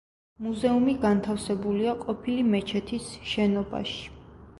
მუზეუმი განთავსებულია ყოფილი მეჩეთის შენობაში.